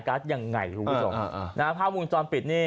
ครับพี่ผู้ชมภาพบุญชวนปิดนี่